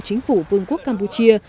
chính phủ vương quốc campuchia